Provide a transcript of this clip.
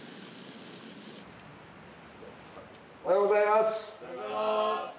おはようございます！